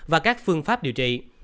và các phương pháp điều trị